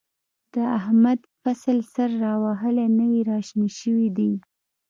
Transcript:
د احمد فصل سر را وهلی، نوی را شین شوی دی.